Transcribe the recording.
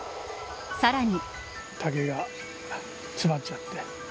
さらに。